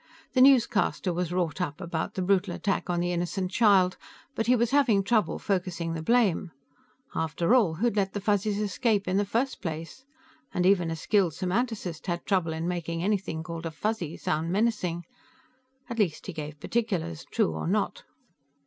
The newscaster was wrought up about the brutal attack on the innocent child, but he was having trouble focusing the blame. After all, who'd let the Fuzzies escape in the first place? And even a skilled semanticist had trouble in making anything called a Fuzzy sound menacing. At least he gave particulars, true or not.